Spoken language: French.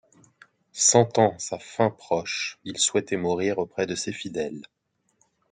Sentant sa fin proche il souhaitait mourir auprès de ses fidèles.